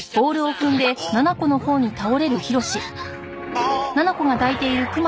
ああ！